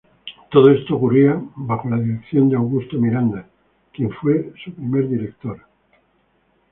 Todo esto ocurría bajo la dirección de Augusto Miranda, quien fuese su primer director.